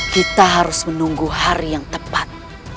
kita harus menunggu hari yang tepat